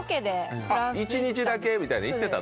１日だけみたいなの行ってたな。